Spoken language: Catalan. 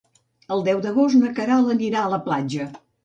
El deu d'agost na Queralt anirà a la platja.